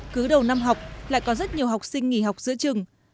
cứ đầu năm học lại có rất nhiều học sinh nghỉ học giữa trường